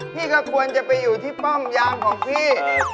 พี่ก็ควรจะไปอยู่ที่ป้อมยามของพี่